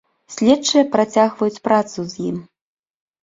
Следчыя працягваюць працу з ім.